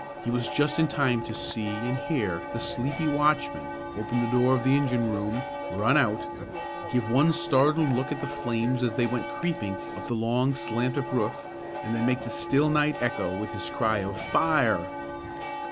He was just in time to see and hear the sleepy watchman open the door of the engine room, run out, give one startled look at the flames as they went creeping up the long slant of roof, and then make the still night echo with his cry of "Fire!"